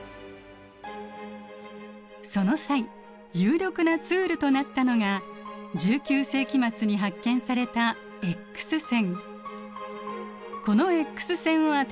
その際有力なツールとなったのが１９世紀末に発見されたＸ線。